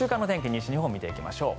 西日本を見ていきましょう。